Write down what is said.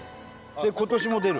今年も出る？